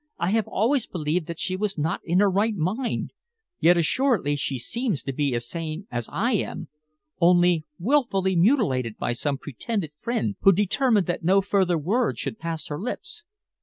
"I have always believed that she was not in her right mind, yet assuredly she seems to be as sane as I am, only willfully mutilated by some pretended friend who determined that no further word should pass her lips."